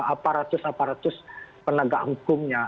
aparatus aparatus penegak hukumnya